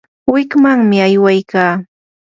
wikmanmi aywaykaa.